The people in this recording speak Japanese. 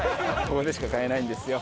ここでしか買えないんですよ。